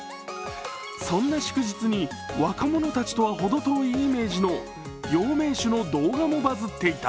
そんな祝日に若者たちとはほど遠いイメージの養命酒の動画もバズっていた。